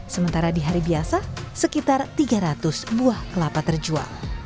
sementara di hari biasa sekitar tiga ratus buah kelapa terjual